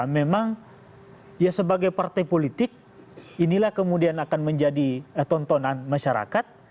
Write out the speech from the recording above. memang ya sebagai partai politik inilah kemudian akan menjadi tontonan masyarakat